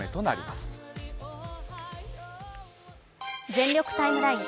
「全力タイムライン」